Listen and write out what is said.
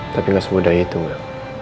tapi gak semudah itu gak